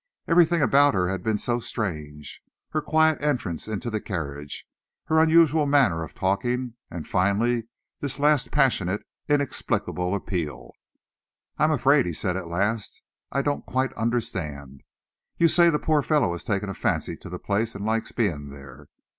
Everything about her had been so strange: her quiet entrance into the carriage, her unusual manner of talking, and finally this last passionate, inexplicable appeal. "I am afraid," he said at last, "I don't quite understand. You say the poor fellow has taken a fancy to the place and likes being there.